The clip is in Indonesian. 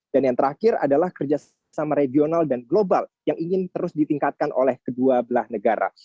dan yang terakhir adalah kerjasama regional dan global yang ingin terus ditingkatkan oleh kedua belah negara